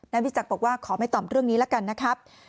วิจักษ์บอกว่าขอไม่ตอบเรื่องนี้แล้วกันนะครับ